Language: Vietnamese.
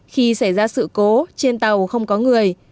khi xảy ra sự cố trên tàu không có người